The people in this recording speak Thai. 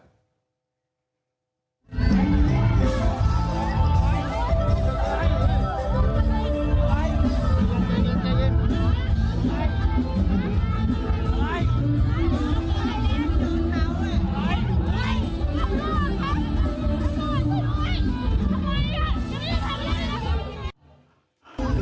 ฟรรดิ